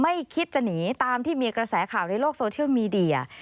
ไม่คิดจะหนีตามที่มีกระแสข่าวในโลกโซเชียลมีเดีย